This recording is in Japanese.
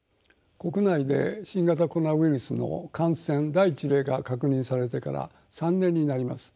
国内で新型コロナウイルスの感染第一例が確認されてから３年になります。